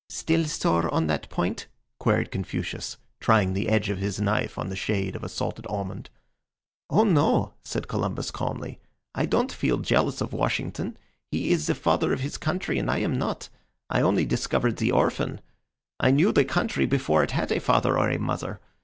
"Still sore on that point?" queried Confucius, trying the edge of his knife on the shade of a salted almond. "Oh no," said Columbus, calmly. "I don't feel jealous of Washington. He is the Father of his Country and I am not. I only discovered the orphan. I knew the country before it had a father or a mother.